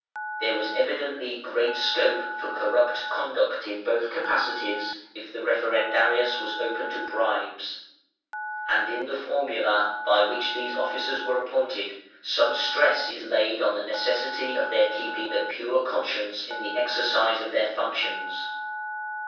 There was evidently great scope for corrupt conduct in both capacities, if the Referendarius was open to bribes; and in the "Formula", by which these officers were appointed, some stress is laid on the necessity of their keeping a pure conscience in the exercise of their functions.